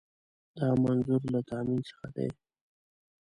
دا منظور له تامین څخه دی.